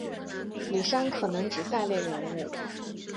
李珊可能指下列人物